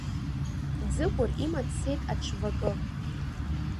Ӡыкәыр има дцеит аҽвакы.